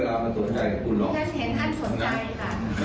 กับต้อนที่บุรุษนะฮะ